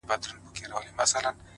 هغه چي له سندرو له ښکلاوو جوړ دی’